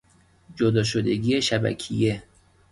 جدا شدگی شبکیه